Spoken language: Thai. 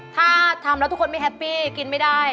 ถ้าทำแล้วทุกคนไม่แฮปปี้กินไม่ได้